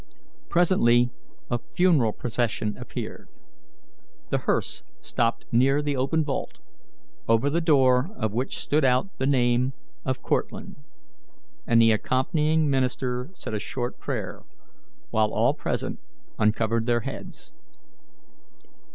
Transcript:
Presently a funeral procession appeared. The hearse stopped near the open vault, over the door of which stood out the name of CORTLANDT, and the accompanying minister said a short prayer, while all present uncovered their heads.